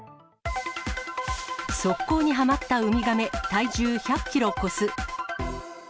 側溝にはまったウミガメ、体重１００キロ超す。